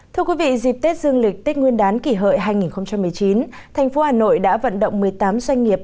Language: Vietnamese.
thưa quý vị dịp tết dương lịch tết nguyên đán kỷ hợi hai nghìn một mươi chín thành phố hà nội đã vận động một mươi tám doanh nghiệp